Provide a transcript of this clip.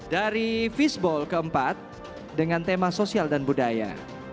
dari fishball keempat dengan tema sosial dan budaya